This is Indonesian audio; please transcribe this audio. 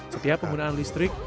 setiap penggunaan listrik